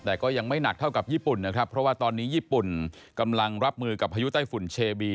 แต่ก็ยังไม่หนักเท่ากับญี่ปุ่นนะครับเพราะว่าตอนนี้ญี่ปุ่นกำลังรับมือกับพายุไต้ฝุ่นเชบี